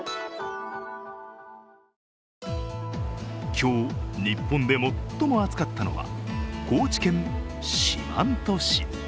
今日、日本で最も暑かったのは高知県四万十市。